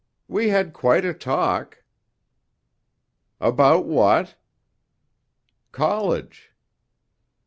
We had quite a talk." "About what?" "College."